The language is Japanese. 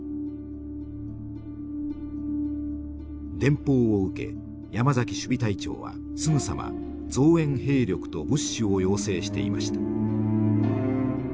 電報を受け山崎守備隊長はすぐさま増援兵力と物資を要請していました。